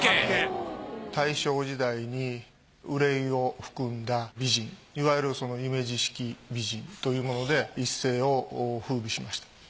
大正時代に憂いを含んだ美人いわゆる夢二式美人というもので一世を風靡しました。